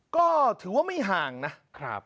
ก็ถือว่าไม่ห่างนะนะครับ